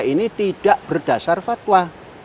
ini tidak berdasar fatwa